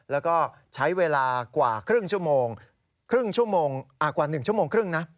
แล้วก็ใช้เวลากว่า๑ชั่วโมงครึ่งนะ